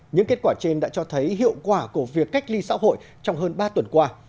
những kết quả trên đã cho thấy hiệu quả của việc cách ly xã hội trong hơn ba tuần qua